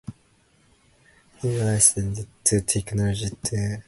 He licensed the technology to other companies including Panasonic and Samsung.